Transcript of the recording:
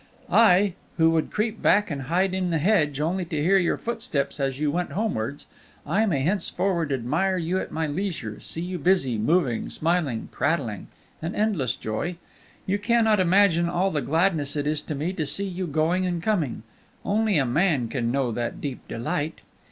"I, who would creep back and hide in the hedge only to hear your footsteps as you went homewards I may henceforth admire you at my leisure, see you busy, moving, smiling, prattling! An endless joy! You cannot imagine all the gladness it is to me to see you going and coming; only a man can know that deep delight.